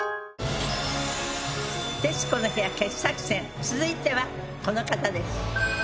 『徹子の部屋』傑作選続いてはこの方です。